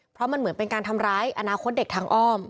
เพราะมันเหมือนเป็นการทำร้ายอนาคตเด็กทางอ้อม